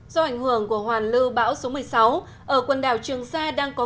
do ảnh hưởng của hoàn lưu bão số một mươi sáu